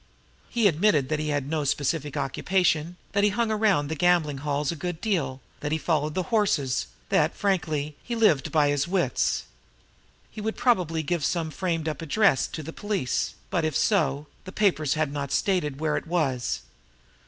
He admitted that he had no "specific occupation," that he hung around the gambling hells a good deal, that he followed the horses that, frankly, he lived by his wits. He had probably given some framed up address to the police, but, if so, the papers had not stated where it was.